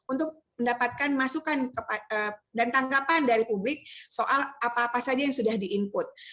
untuk mendapatkan masukan dan tanggapan dari publik soal apa apa saja yang sudah di input